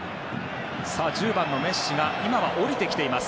１０番、メッシが今は下りてきています。